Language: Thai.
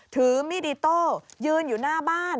ถือมีดอิโต้ยืนอยู่หน้าบ้าน